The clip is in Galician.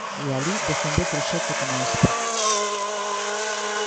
E alí defendeu proxecto coma este.